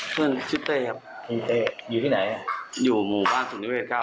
เพื่อนชื่อเต้ยครับอยู่ที่ไหนอยู่หมู่บ้านสุนิเศษ๙